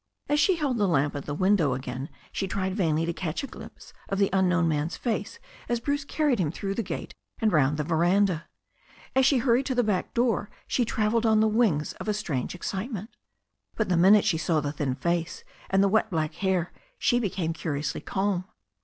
As she held the lamp at the window again she tried vainly to catch a glimpse of the unknown man's face as Bruce carried him through the gate and round the veranda. As she hurried to the back door she travelled on the wings of a strange excitement But the minute she saw the thin face and the wet black hair she became curiously calm.